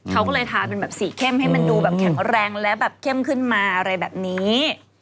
เขาก็เลยทาเป็นแบบสีเข้มให้มันดูแบบแข็งแรงและแบบเข้มขึ้นมาอะไรแบบนี้